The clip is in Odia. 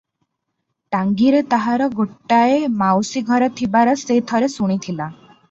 ଟାଙ୍ଗୀରେ ତାହାର ଗୋଟାଏ ମାଉସୀ ଘର ଥିବାର ସେ ଥରେ ଶୁଣିଥିଲା ।